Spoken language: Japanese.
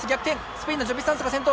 スペインのジョピスサンスが先頭。